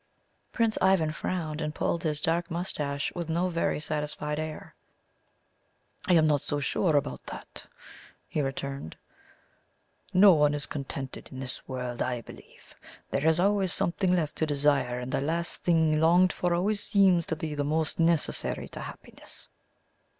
Prince Ivan frowned and pulled his dark moustache with no very satisfied air. "I am not so sure about that," he returned. "No one is contented in this world, I believe. There is always something left to desire, and the last thing longed for always seems the most necessary to happiness."